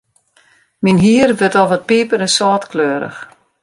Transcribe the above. Myn hier wurdt al wat piper-en-sâltkleurich.